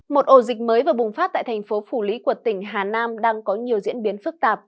một ổ dịch mới vừa bùng phát tại thành phố phủ lý của tỉnh hà nam đang có nhiều diễn biến phức tạp